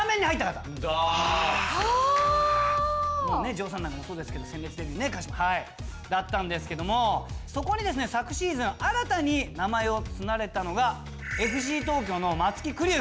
城さんなんかもそうですけど鮮烈デビューねだったんですけどもそこにですね昨シーズン新たに名前を連ねたのがＦＣ東京の松木玖生選手ですね。